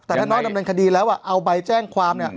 แต่ถ้าน้อยดำเนินคดีแล้วเอาใบแจ้งความเนี่ย